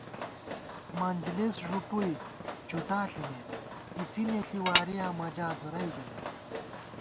منجِلېس ݫُوپُوئی، چُٹا ݪِمېت ، اِڅِنے ݪِی وارِیاں مَجاس رَئی ژَمېت